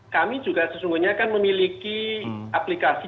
kami juga sesungguhnya kan memiliki aplikasi